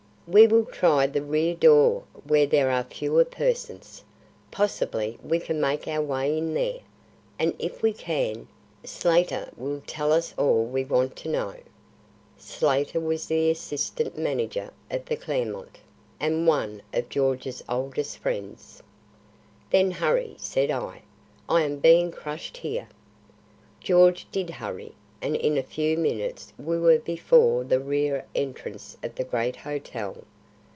"We will try the rear door where there are fewer persons. Possibly we can make our way in there, and if we can, Slater will tell us all we want to know." Slater was the assistant manager of the Clermont, and one of George's oldest friends. "Then hurry," said I. "I am being crushed here." George did hurry, and in a few minutes we were before the rear entrance of the great hotel.